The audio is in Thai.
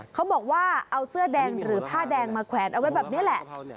เขาบอกว่าเอาเสื้อแดงหรือผ้าแดงมาแขวนเอาไว้แบบนี้แหละ